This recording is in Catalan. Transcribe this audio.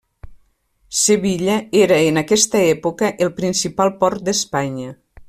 Sevilla era en aquesta època el principal port d'Espanya.